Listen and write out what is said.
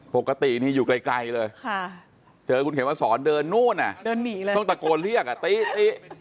ปกตินี่อยู่ไกลเลยเจอคุณเห็นว่าสอนเดินนู้นต้องตะโกนเรียกตี๊